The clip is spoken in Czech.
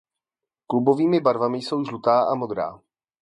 Klubovými barvami jsou žlutá a modrá.